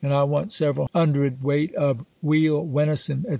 I want several undred weight of weal, wenison, &c.